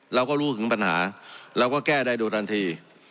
เราก็รู้ถึงปัญหาเราก็แก้ได้โดยทันที